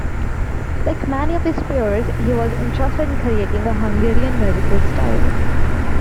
Like many of his peers, he was interested in creating a Hungarian musical style.